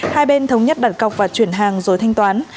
hai bên thống nhất đặt cọc và chuyển hàng rồi thanh toán